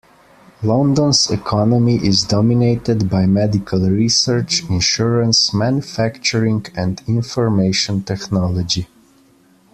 London's economy is dominated by medical research, insurance, manufacturing, and information technology.